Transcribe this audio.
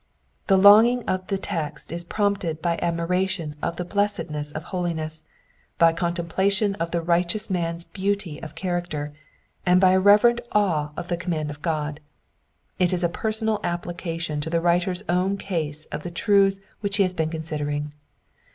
The longing of the text is prompted by admiration of the blessedness of. hohness, by a contemplation of the righteous man's beauty of character, and by a reverent awe of the command of God. It is a personal applica^ tion to the writer's own case of the truths which he had been considering..